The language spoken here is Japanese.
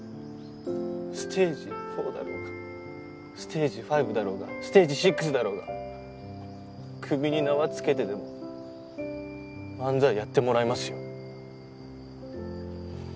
ステージ４だろうがステージ５だろうがステージ６だろうが首に縄つけてでも漫才やってもらいますよ。